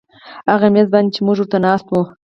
هغه میز باندې چې موږ ورته ناست وو